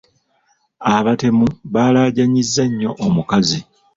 Abatemu baalaajanyizza nnyo omukazi.